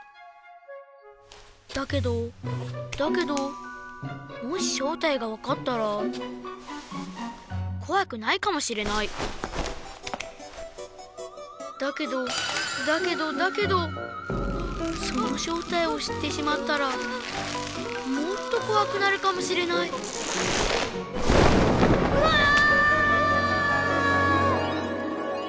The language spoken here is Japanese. だけどだけどもししょうたいがわかったらこわくないかもしれないだけどだけどだけどそのしょうたいをしってしまったらもっとこわくなるかもしれないうわぁ！